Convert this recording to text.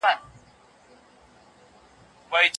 د مالدارۍ نظام په کروندګرۍ بدل سو.